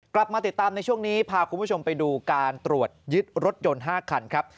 กลับมาติดตามในช่วงนี้พาคุณผู้ชมไปดูการตรวจยึดรถยนต์๕คันครับ